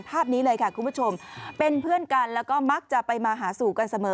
ภาพนี้เลยค่ะคุณผู้ชมเป็นเพื่อนกันแล้วก็มักจะไปมาหาสู่กันเสมอ